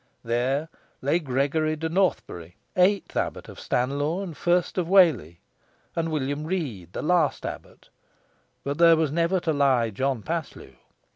There lay Gregory de Northbury, eighth abbot of Stanlaw and first of Whalley, and William Rede, the last abbot; but there was never to lie John Paslew.